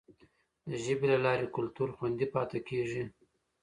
د ژبي له لارې کلتور خوندي پاتې کیږي.